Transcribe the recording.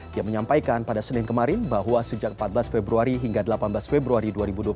dia menyampaikan pada senin kemarin bahwa sejak empat belas februari hingga delapan belas februari dua ribu dua puluh